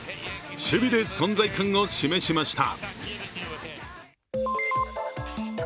守備で存在感を示しました。